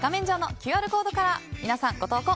画面上のＱＲコードから皆さん、ご投稿